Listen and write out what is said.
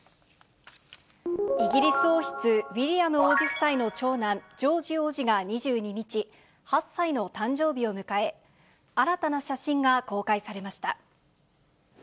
イギリス王室、ウィリアム王子夫妻の長男、ジョージ王子が２２日、８歳の誕生日を迎え、新たな写真が公開されました。